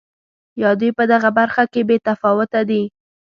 یا دوی په دغه برخه کې بې تفاوته دي.